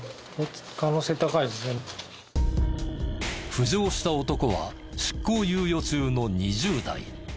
浮上した男は執行猶予中の２０代。